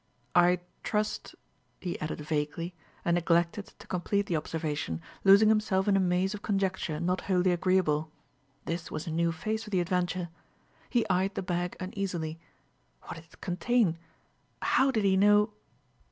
"I trust ..." he added vaguely, and neglected to complete the observation, losing himself in a maze of conjecture not wholly agreeable. This was a new phase of the adventure. He eyed the bag uneasily. What did it contain? How did he know